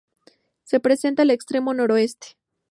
Se presenta al extremo noroeste.